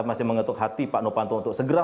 masih mengetuk hati pak nopanto untuk segera